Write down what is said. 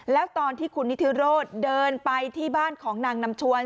แล้วตอนที่คุณนิทิโรธเดินไปที่บ้านของนางนำชวน